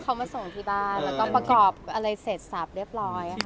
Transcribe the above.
เขามาส่งที่บ้านแล้วก็ประกอบอะไรเสร็จสับเรียบร้อยค่ะ